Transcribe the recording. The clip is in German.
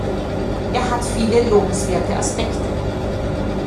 Er hat viele lobenswerte Aspekte.